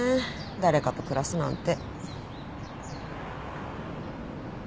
誰かと暮らすなんて。